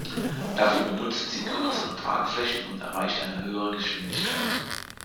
Dafür benutzt sie kürzere Tragflächen und erreicht eine höhere Geschwindigkeit.